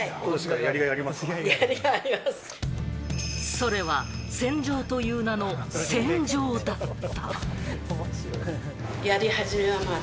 それは洗浄という名の戦場だった。